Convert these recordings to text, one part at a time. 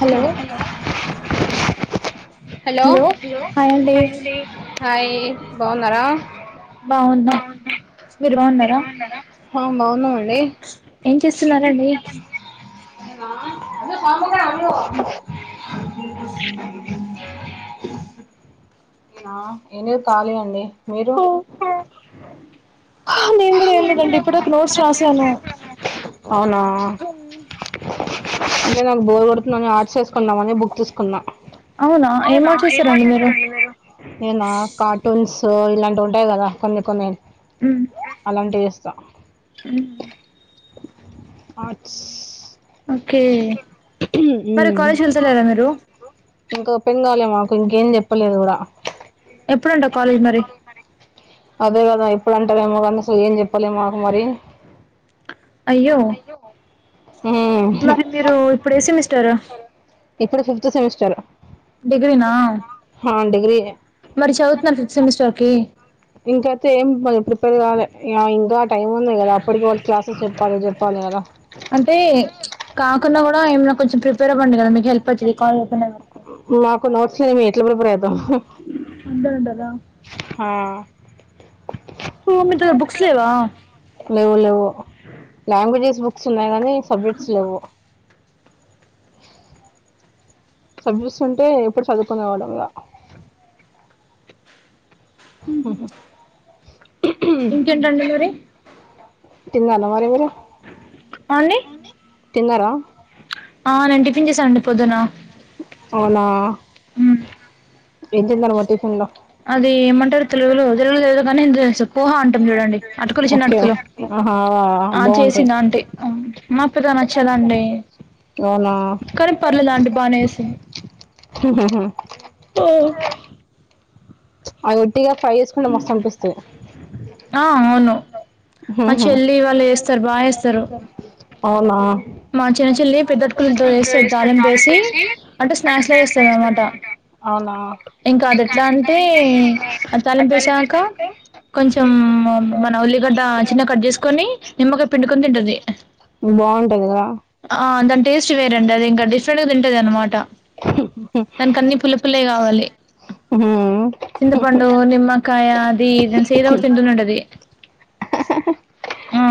Hello hello hi అండి hi బాగున్నారా బాగున్నాం మీరు బాగున్నారా హ బాగున్నామండి ఏం చేస్తున్నారండి అ పగా అ ఆ ఏంలేదు ఖాళీ అండి మీరు ఓ నేను కూడా ఏం లేదండి ఇప్పుడక నోట్స్ రాసాను అవునా ఎ నాకు బోర్ కొడుతుందని ఆర్ట్స్ చేేసుకున్నామని బుక్ తీసుకునా అవునా ఏం ఆర్ట్స్ వేస్తారండి మీరు నేనా కార్టూన్స్ ఇలాంటివి ఉంటాయి కదా కొన్ని కొన్ని ఉ అలాంటివి చేస్తా ఉ ఆర్ట్స్ ఓకే మరి కాలేజ్కి వెళ్తలేరాా మీరు ఇంకో పెన్ కావాలె మాకు ఇంకేం చెప్పలేదు కూడా. ఎప్పుడంట కాలేజ్ మరి. అదే కదా ఇప్పుడు అంటారేమో కానీ సో ఏం చెప్పాలి మాకు మరి. అయ్యో. హ. మరి మీరు ఇప్పుడు ఏసి మిస్టర. ఇప్పుడు ఫిఫ్త్ సెమిస్టరు. డిగ్రీన. హా డిగ్రీఎ. మరి చదువుతున్నారు ఫిఫ్త్ సెమిస్టర్ కి. ఇంకైతే ఏం కొం ప్రిపేర్ కాలే యా ఇంకా. టైం ఉంది కదా అప్పటికి వాళ్ళు క్లాసెస్ చెప్పాలి చెప్పాలి కదా. అంటే కాకుండా కూడా ఏనా కొంచెం ప్రిపేర్ అవ్వండి కదా మీకు హెల్ప్ వచ్చింది కాల్ చే. మాకు నోట్స్లే లేమి ఎట్ల ప్రిపేర్ ఐతామ్. అంటే అంటారా. హా. ఆ మీద బుక్స్ లేవా లేవు లేవు లాంగ్వేజెస్ బుక్స్ ఉన్నాయి కానీ సబ్జెక్ట్స్ లేవు. సబ్జెక్ట్స్ ఉంటే ఎప్పుడు చదువుకునే వాళ్ళం ఇగ. హహ ఇంకేంటండి మరి. తిన్నానా మరి మీరు. అని [unintelligible] తిన్నారా. ఆ నేన్ టిఫిన్ చేసానండి పొద్దున. అవునా. అను ఏం తిన్నారు మరి టిఫిన్ లో. అది ఏమంటారు తెలుగులో తెలుగులో తెలియదు కానీ హిందీలో తెలుసు. పూహ అంటాం చూడండి అటుకులు చిన్న ఓకే అటుకులు ఆహా ఆ బాగుంటాయి చేసిందా ఆంటీ మాక్ పెద్దగా నచ్చదండి అవునా. కానీ పర్లేదు ఆంటీ బానే చేసా. ఆ. అవి ఒట్టిగా ఫ్రై [unintelligible] మస్తు కనిపిస్తయ్ ఆ అవును మా చెల్లి వాళ్ళు వేస్తారు బాగా వేస్తారు. అవునా. పెద్ద చెల్లి అటుకులతో చేస్తది తాలింపు వేసి పెడతానుంటేసి అంటే లా స్నాక్స్ చేస్తది తీస్త అన్నమాట అనమాట. అవునా. ఇంకా అది ఎట్లా అంటే తాలింపెసాక. కొంచెం మన ఉల్లిగడ్డ చిన్న కట్ చేసుకొని నిమ్మకాయ పిండుకొని తింటది. బాగుంటది కదా. ఆ దాని టేస్ట్ వేరండి అది ఇంకా డిఫరెంట్ గా తింటది అనమాట. దాక అన్ని పుల్లపుల్లవి కావాలి. చింత పండు నిమ్మకాయ అది ఇది సేదోటీ తింటనే ఉంటది. ఆ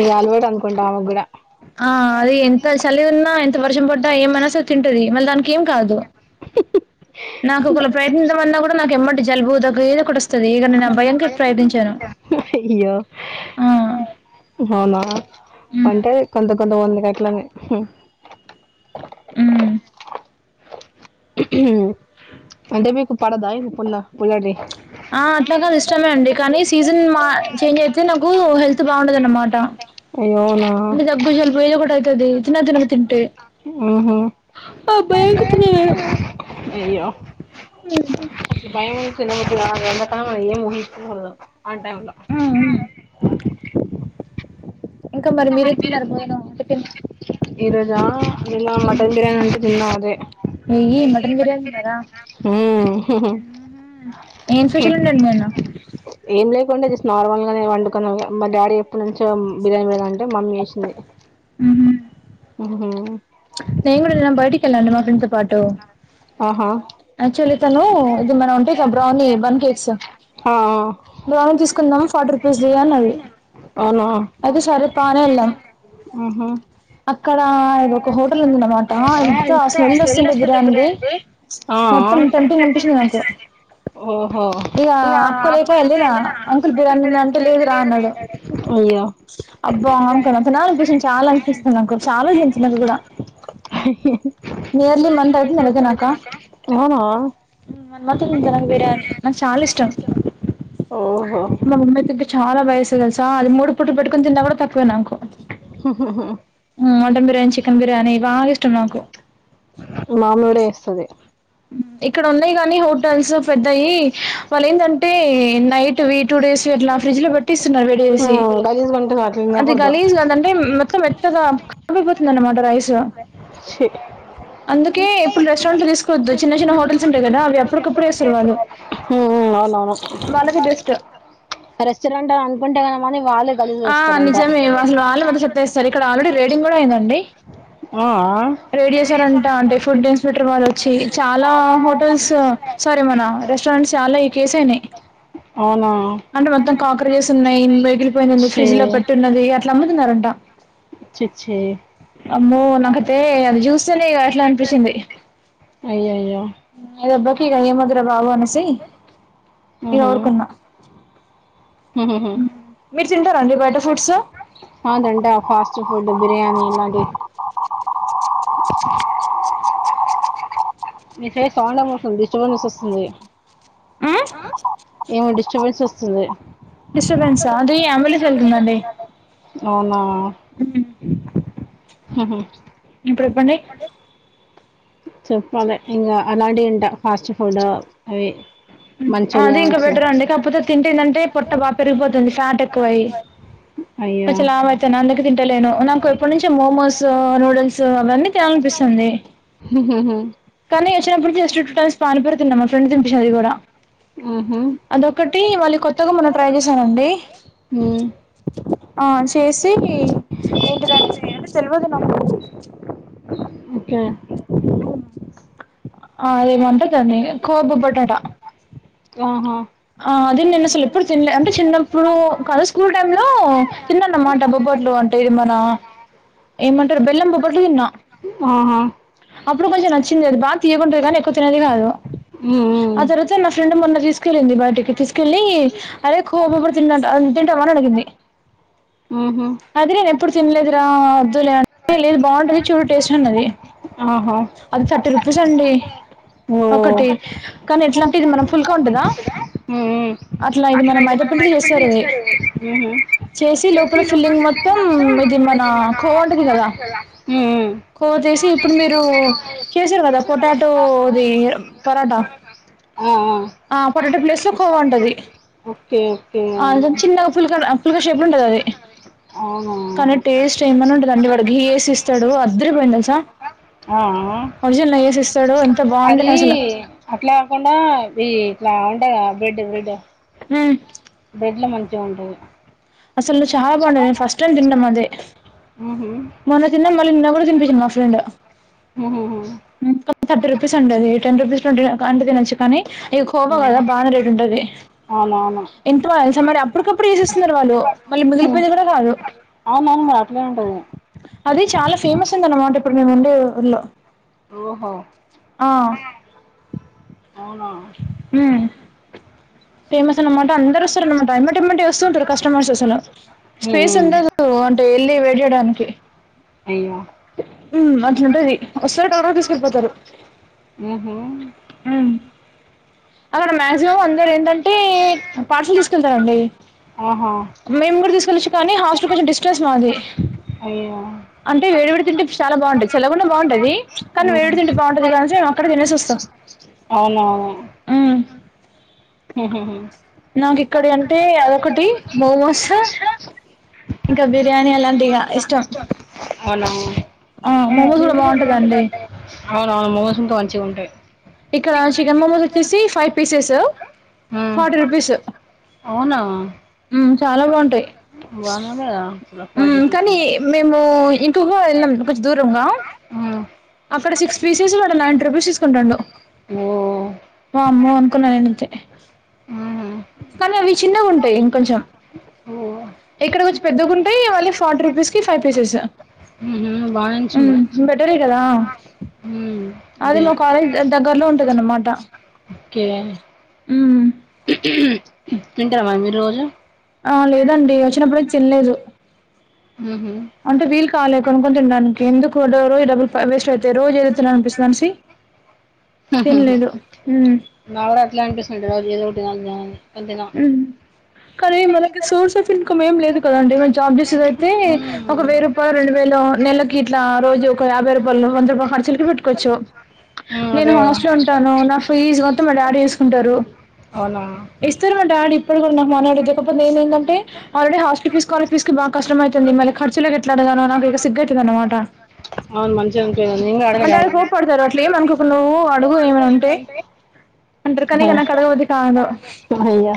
ఇగా అల్వాటు అనుకుంట అమెగూడ ఆ అది ఎంత చలి ఉన్నా, ఎంత వర్షం పడ్డా, ఏమైనా సర్ తింటది, మళ్ళీ దాన్కేం కాదు. నాకు ఒకలు ప్రయత్నిద్దం అన్నా కూడా, నాకు ఎమ్మటే జలుబు దగ్గు ఏదోకటి వస్తది. ఇగా నేన్ ఆ భయానికి ప్రయత్నించను అయ్యో అవునా ఉమ్ అంటే కొంత కొంత మందికి అట్లనే ఉ అంటే మీకు పడదా ఇ పుల్ల పుల్లడ్ది? ఆ అట్లాగాని ఇష్టమే అండి. కానీ సీజన్ మా చేంజ్ అయితే నాకు హెల్త్ బాగుండదు అనమాట. అయ్యో అవునా అంటే దగ్గు జలుబు ఏదోకటి అయితది తిన్న తినక తిన్ టె ఉహు ఆ భయానికి తినలేను ఉ కొంచం భయమై తినబుద్ధి కాదు, అంతకన్నా మనం ఏం ఊహించుకునేళ్లో ఆ టైంలో ఉ ఇంక మరి మీరు తిన్నారా భోజనం టిఫిన్? ఈ రోజా నిన్న మటన్ బిర్యానీ ఉంటే తిన్న అదే. నెయ్యి మటన్ బిర్యానీ తిన్నారా? ఏం స్పెషల్ ఉండండి మేన్న ఏం లేకుండే, జస్ట్ నార్మల్ గానే వండుకున్నా, మా డాడీ ఎప్పనుంచో బిర్యానీ పెడ మమ్మీ చేసింది ఉ ఉహు హు నేన్ కూడా బయటికిళ్లా అండి మా ఫ్రెడ్స్తో పాటు ఆహా అక్చుఅల్లీ తనూ ఇది మనవంటే ఇక బ్రౌనీ బన్ కేక్స్ హ ఆ దోర తీసుకుందాం ఫార్టీ రూపీస్ తీయ్ అన్నది, అవునా అయితే సరే పా అని ఎల్నం. ఉహు అక్కడా ఏదొక హోటల్ ఉందన్నమా ఆ ఆ మొత్తం టెంప్టింగ్ అనిపించింది నాకు ఓహో ఇక ఆపుకోలేక వెళ్ళిన అంకుల్ బిర్యానీ ఉందా అంటే లేదు రా అన్నాడు అయ్యో అబ్బా ఇంకా నాక్ తినాలిపిస్తుంది, చాలా అనిపిస్తుంది నాకు చాలా [inaudible] అవి కూడా నియర్లీ మంత్ అవుతుంది అలాగే అవునా ఉమ్ మన్మత నేన్ తినన్ బిర్యాని నాక్ చాల ఇష్టం ఓహో మా ముమ్మయితే గట్ చాలా బయాస్ తెలుసా, అది మూడు పుట్లు పెట్కొని తిన్నా కూడా తక్కువే నాకు ఆహాహా ఉ మటన్ బిర్యానీ, చికెన్ బిర్యాని ఇవి బా ఇష్టం నాకు. మా అమ్మకూడ చేసది ఇక్కడ ఉన్నాయి కానీ హోటల్స్ పెద్దయి వాళ్ళు ఏంటంటే, నైట్ వి టూ డేస్ అట్లా ఫ్రిడ్జ్ లో పెట్టి ఇస్తున్నారు వేడి చేసి. ఉ గలీజ్ గుంటది అట్ల అది గలీజ్ తినకూడదు అదంటే మొత్తం మెత్తగా పోతుంది అనమాట రైస్. షిట్ అందుకే ఇప్పుడు రెస్టారెంట్ లో తీసుకోవద్దు చిన్న చిన్న హోటల్స్ ఉంటాయి కదా అవి అప్పటికప్పుడు వేస్తారు వాళ్ళు అవునవును. వాళ్ళకి బెస్ట్ రెస్టారెంట్ అని అనుకుంటే కనమని వాళ్ళే గలీస్ చేస్తరు వంట. అదే సార్ ఇక్కడ ఆలెడీ రేడింగ్ కూడా అయిందండి. అవునా రైడ్ చేశారంట అంటే ఫుడ్ ఇన్స్ పెక్టర్ వాళ్ళొచ్చి చాలా హోటల్స్ సారీ మన రెస్టారెంట్స్ చాలా ఈ కేసయినయి. అవునా అంటే మొత్తం కాక్రేజెస్ ఉన్నయి, మిగిలిపోయింది ఉంది ఛీ ఫ్రిడ్జ్ లో పెట్టి ఉన్నది అట్లా అమ్ముతున్నరంట. చి చ్ఛీ. అమ్మో నాకైతే అది జ్యూస్తనే ఇగ అయ్యోయ్యో ఇగ దెబ్బకి ఇగ ఏమద్దురా బాబు అనేసి ఇగ ఊహూ ఊరుకున్నా. ఊహూహూ మీరు తింటారా అండి బయట ఫుడ్స్ హాద్రంట ఫాస్ట్ ఫుడ్, బిర్యానీ ఇలాగే సౌండేం వస్తుంది, డిస్టర్బెన్స్ వస్తుంది. ఏమో డిస్టర్బెన్స్ వస్తుంది. డిస్టర్బెన్సా అది అంబులెన్స్ వెళ్తుందండి. అవునా హహా ఇప్పుడు చెప్పండి. చెప్పాలె ఇంగ అలాంటియి తింట ఫాస్ట్ ఫుడ్ అవి. అది ఇంకా మంచూరియన్స్ బెటర్ అండి కాకపోతే తింటేందంటే పొట్ట బాపెరిగిపోతుంది ఫ్యాట్ ఎక్కువ అయి. అయ్యా చ్చ లావయితున్నా అందుకే తింటలేను. నాకు ఎప్పటి నుంచో మోమోస్, న్యూడల్స్ అవన్నీ తినాలనిపిస్తుంది. కానీ వచ్చినప్పుడు జస్ట్ టూ టైమ్స్ పానిపూరి తిన్నా మా ఫ్రెండ్ తినిపిచ్చింది అది కూడా. ఆహా అదొకటి మళ్ళీ కొత్తగా మొన్న ట్రై చేసానండి. హ్మ్ ఆ చేసి ఏంటి దంటే ఎంటి తెలవదు నాకు. ఒకే ఆ అదేమంటే గన్ని కోబు పొటాటా. ఆహా నేను అసలు ఎప్పుడు తినలే అంటే చిన్నప్పుడు కాదు స్కూల్ టైమ్ లో తిన్నానన్నమాట ఏమంటరు బెల్లం బొబ్బట్లు తిన్న. ఆహా అప్పుడు కొంచెం నచ్చింది, అది బాగా తియ్యగుంటది కానీ ఎక్కువ తినేది కాదు. హ్మ్ ఆ తర్వాత నా ఫ్రెండ్ మొన్న తీసుకెళ్ళింది బయటికి తీసుకెళ్ళి అరే కొబుపొటాటా తింటా తింటవా అని అడిగింది. ఉహ్ అది నేను ఎప్పుడు తినలేదురా వద్దులే అం లేదు బావుంటది చూడు టేస్ట్ అన్నది. ఆహా అది థర్టీ రుపీస్ అండి ఓ ఒకటి. కనీ ఎట్లాంటె ఇది మనం ఫుల్క ఉంటదా హ్మ్ హ్మ్ అట్లా ఇది మనం మైద పిండితో చేస్తారిది, హ్మ్ చేసి లోపల స్ ఇది మొత్తం ఇది మనా కోవ ఉంటది గదా హ్మ్ హ్మ్ కోవ జేసి ఇప్పుడు మీరు చేసర్రు కదా పొటాటోది పరాటా ఆ పొటాటో ప్లేస్ లో కోవ ఉంటది ఓకే ఓకే అంచం చిన్నగ ఫుల్క లా ఫుల్క షేప్ లో ఉంటదది అవునా టేస్ట్ ఏమన్న ఉంటదా అండి వాడు గీ యేసి ఇస్తడు అద్దరి పోయింది తెలుసా అ ఆ ఒరిజనల్ నెయ్యి ఏసిస్ అదీ అట్ల గాకుండా దీ ఇట్లా ఉంటది గదా బ్రెడ్ బ్రెడ్ హ్మ్ బ్రెడ్ల మంచిగుంటది అసలు చాలా బాగుంటదది మేం ఫస్ట్ టైమ్ తినడం అదే ఉ హ్ మొన్న తిన్న మళ్ళీ నిన్న గూడా తినిపించింది మా ఫ్రెండ్ ఉ హు హు ముక్క థర్టీ రూపీస్ అంటది టెన్ రూపీస్ అంటే తినొచ్చు కనీ ఇగ కోబ ఉమ్ గదా బానే రేట్ ఉంటది అవునవును ఎంత బాగ తెల్సా మరి అప్పకప్పుడు ఏషిస్తున్నరు వాళ్ళు మళ్ళీ ఉ మిగిలిపోయేది గూడా కాదు అవునవును మరట్లే ఉంటది అది చాలా ఫేమస్ ఉందన్నమాట ఇప్పుడు మేం ఉండే ఊర్లో ఓహో ఆ అవునా ఉమ్ ఫేమస్ అన్నమాట అందరోస్తరన్నమాట, ఏమ్మటేమ్మటే వస్తుంటరు కస్టమర్స్ అసలు ఉమ్ స్పేస్ ఉమ్ ఉండదు అంటే ఎళ్ళి వేయిట్ జేయడానికి అయ్యో ఉమ్ అట్లుంటది వస్తరు టక టక తీసుకెల్లి పోతరు ఉమ్ హ్ ఉమ్ అక్కడ మాక్సిమం అందరు ఏంటంటే పార్సల్ తీసుకెళ్తరండి ఆహా మేము గుడా తీసుకెళచ్చు కానీ హాస్టల్ కొంచెం డిస్టెన్స్ మాది అయ్యో అంటే వేడివిడి తింటే చాలా బాగుంటది చల్లగున్న బాగుంటది కనీ వేడివిడి తింటే బాగుంటది కదానేసి మేం అక్కడే తినేసి వస్తాం అవునా ఉమ్. ఉమ్ హ్ హ్ నాకు ఇక్కడియి అంటే అదొకటి మోమోస్ ఇంకా బిర్యానీ అలాంటిఇగా ఇష్టం అవునవును ఆ మోమోస్ గూడ బాగుంటదండి అవునవును మొమోస్ ఇంక మంచిగుంటయ్ ఇక్కడ చికెన్ మోమోస్ వచ్చేసి five pieces um forty rupees అవునా ఉమ్ చాలా బాగుంటయ్ బానే ఉందిగా అసలు ఉ ఫార్టీ రూపీస్ కానీ ది మేము ఇంకొక వెళ్ళాం కొంచెం దూరంగా ఉమ్ అక్కడ సిక్స్ పీసెస్ వాడు నైన్టీ రూపీస్ తీసుకుంటాండు ఓ వామ్మో అనుకున్నా నేనయితే ఉహు కానీ అవి చిన్నగా ఉంటాయి ఇంకొంచెం ఓ ఇక్కడ కొంచెం పెద్దగాంట టయ్ మళ్ళీ ఫార్టీ రూపీస్ కి ఫైవ్ పీసెస్ ఉ బాగానేంచిండు మ్మ్ బెటరే కదా అది అదే మా కాలేజ్ దగ్గరలో ఉంటందన్నమాట ఓకే తింటార మరి మీరు రోజు ఆ లేదండి వచ్చినప్పుడైతే తినలేదు ఉహు అంటే వీళ్లు కాలేకు కొనుక్కొని తినడానికి ఎందుకు వృధా ఈ డబ్బుల్ వేస్ట్ అయితే రోజు ఏదోతిన్నానిపిస్తది అనేసి తినలేదు నాక్కూడా అట్లే అపిస్తుంది ఏదో ఒకటి తినాలి తినాలి అని కానీ తిన కానీ మనకి సోర్స్ ఆఫ్ ఇన్కమ్ ఏం లేదు కదండి మం జాబ్ చేసేది కానీ అయితే ఒక తినం వెయ్యి రూపాయలో రెండు వేలో నెలకి ఇట్లా రోజు ఒక యాభై రూపాయలు వంద రూపాయలు ఖర్చులకి పెట్టుకోవచ్చు మ్మ్ నేను అదే కదా హాస్టల్ ఉంటాను నా ఫీజ్ మొత్తం మా డాడీ చూసుకుంటారు అవునా ఇస్తారు మా డాడీ ఇప్పుడు కూడా నాకు మనీ కాపోతే నేను ఏందంటే ఆల్రెడీ హాస్టల్ ఫీస్ స్కాలర్ ఫీస్కి కష్టం అవుతుంది మళ్ళ ఖర్చులకి ఎట్లా ఆడగాల నాకు ఇక సిగ్గువుతుంది అనమాట అవును మంచిగా అనిపియదు నేను కూడా అడగ మా డాడీ కోప్పడతారు అట్లే ఏమనుకొకు నువ్వు అడుగు ఏమైనా పడుకోనియ్యవా ఉంటే అంటారు కానీ ఇక నాకు అడగబుద్ధి కాదు వాన్ని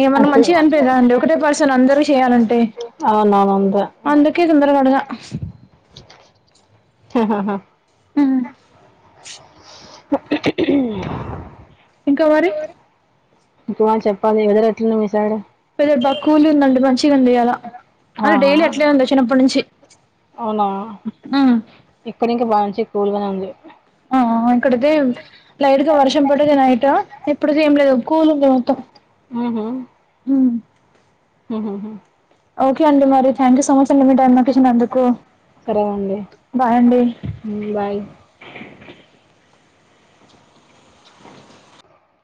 ఇక మనకు అదు మంచిగా అనిపియదు కదండి ఒకటే పర్సన్ అందరూ అవునవును రా కి తొందరగా అడగ ఆాా ఇంకా మరి ఇంకా చెప్పాలి వెదర్ ఎట్లుంది మీ సైడ్ వెదర్ బాగా కూల్ ఉందండి మంచిగా ఉందియ్యాల అంటే డైలీ అట్లే ఆ ఉంది వచ్చినప్పటి నుంచి అవునా ఉ ఇప్పుడు ఇంకా బాగా మంచి కూల్ గానే ఉంది ఆ ఇక్కడితే లైట్ గా వర్షం పడింది నైట్ ఇప్పుడుది ఏం లేదు కూలు మొత్తం ఉహు మ్ మ్ ఓకే అండి మరి థ్యాంక్యూ సోమచండి మీ టైం మాకు ఇచ్చినందుకు సరేనండి బాయ్ అండి బాయ్